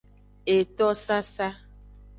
Eto sasa.